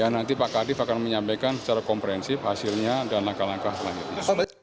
nanti pak kadif akan menyampaikan secara komprehensif hasilnya dan langkah langkah selanjutnya